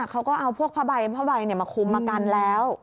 เขาก็เอาพวกพระบัยพระบัยมาคุมมากันแล้ว